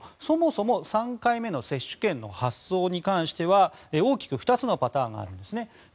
そもそも３回目の接種券の発送に関しては大きく２つのパターンがあるんですね。